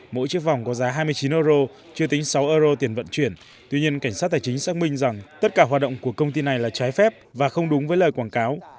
mỗi chiếc vòng có giá hai mươi chín euro chưa tính sáu euro tiền vận chuyển tuy nhiên cảnh sát tài chính xác minh rằng tất cả hoạt động của công ty này là trái phép và không đúng với lời quảng cáo